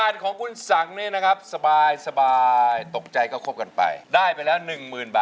ร้องได้ให้ร้าน